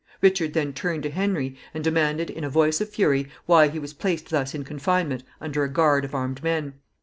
Richard then turned to Henry, and demanded, in a voice of fury, why he was placed thus in confinement, under a guard of armed men.